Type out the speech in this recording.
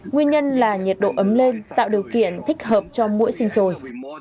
nguyên nhân là nhiệt độ ấm lên tạo điều kiện thích hợp cho mũi sinh sồi